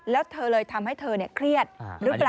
แล้วเธอเลยทำให้เธอเครียดหรือเปล่า